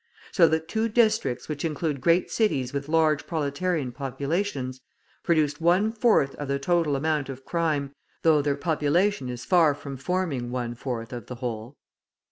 So that two districts which include great cities with large proletarian populations, produced one fourth of the total amount of crime, though their population is far from forming one fourth of the whole.